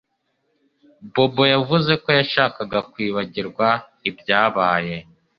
Bobo yavuze ko yashakaga kwibagirwa ibyabaye